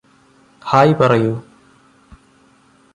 hi പറയൂ